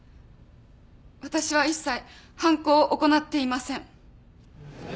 私は一切犯行を行っていません。